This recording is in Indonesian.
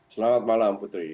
selamat malam putri